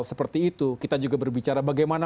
seperti itu kita juga berbicara bagaimana